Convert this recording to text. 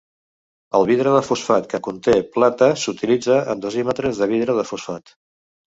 El vidre de fosfat que conté plata s'utilitza en dosímetres de vidre de fosfat.